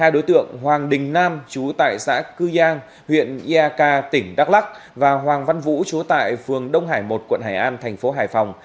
hai đối tượng hoàng đình nam chú tại xã cư giang huyện iak tỉnh đắk lắc và hoàng văn vũ chú tại phường đông hải một quận hải an thành phố hải phòng